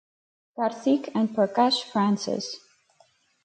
Karthik and Prakash Francis.